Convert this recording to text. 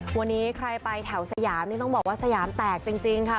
วันนี้ใครไปแถวสยามนี่ต้องบอกว่าสยามแตกจริงค่ะ